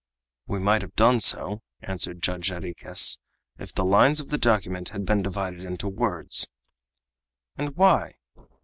"We might have done so," answered Judge Jarriquez, "if the lines of the document had been divided into words." "And why?"